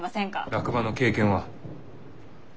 落馬の経験は？